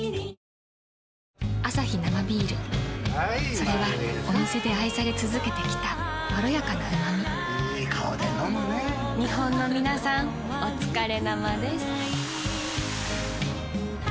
それはお店で愛され続けてきたいい顔で飲むね日本のみなさんおつかれ生です。